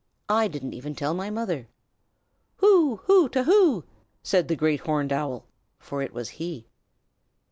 I didn't even tell my mother." "Who? Who? To who?" said the Great Horned Owl, for it was he.